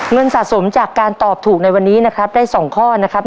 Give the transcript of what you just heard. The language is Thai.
เงินสะสมจากการตอบถูกในวันนี้นะครับได้๒ข้อนะครับ